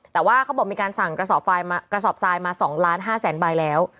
แต่ว่าเขาบอกมีการสั่งกระสอบทรายมา๒๕๐๐๐๐๐บาทแล้ว